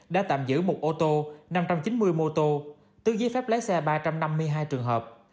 đã tạm giữ một ô tô năm trăm chín mươi mô tô tước giấy phép lái xe ba trăm năm mươi hai trường hợp